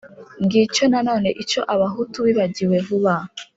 ngicyo nanone icyo abahutu bibagiwe vuba